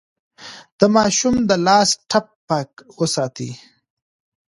د ماشوم د لاس ټپ پاک وساتئ.